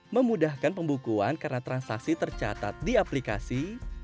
memudahkan pembukuan karena transaksi tercatat di aplikasi